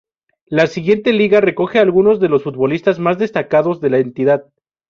La siguiente lista recoge algunos de los futbolistas más destacados de la entidad.